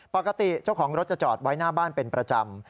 ปกติเจ้าของรถจะจอดไว้หน้าบ้านเป็นประจำ